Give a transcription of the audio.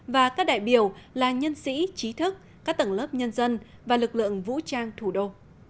và các đại biểu là nhân sĩ trí thức các tầng lớp nhân dân và lực lượng vũ trang thủ đô